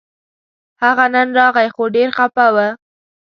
هغه نن راغی خو ډېر خپه و